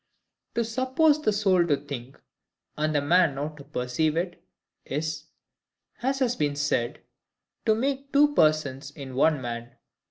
To suppose the soul to think, and the man not to perceive it, is, as has been said, to make two persons in one man.